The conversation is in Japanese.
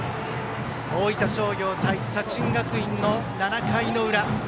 大分商業対作新学院の７回の裏。